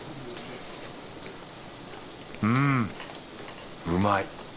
うんうまい。